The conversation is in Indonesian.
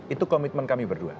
itu komitmen kami berdua